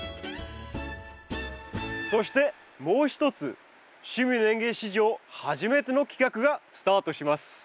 そしてもう一つ「趣味の園芸」史上初めての企画がスタートします。